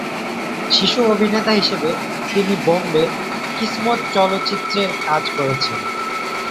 শিশু অভিনেতা হিসাবে, তিনি বোম্বে "কিসমত" চলচ্চিত্রে কাজ করেছেন।